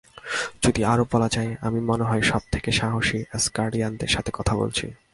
যদি আরো বলা যায়, আমি মনে হয় সব থেকে সাহসী অ্যাসগার্ডিয়ানদের সাথে কথা বলছি।